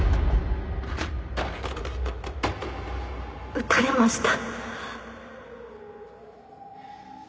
撃たれました。